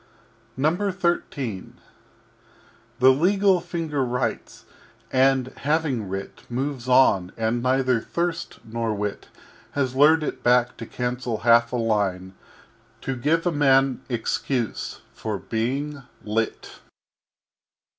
XIII The legal Finger writes; and having writ, Moves on and neither Thirst nor Wit Has lured it back to cancel half a line To give a Man excuse for being lit.